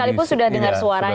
sekalipun sudah dengar suaranya